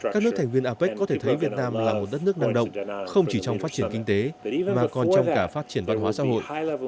các nước thành viên apec có thể thấy việt nam là một đất nước năng động không chỉ trong phát triển kinh tế mà còn trong cả phát triển văn hóa xã hội